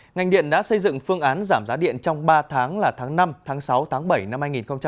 ngành điện đã xây dựng phương án giảm giá điện trong ba tháng là tháng năm tháng sáu tháng bảy năm hai nghìn hai mươi bốn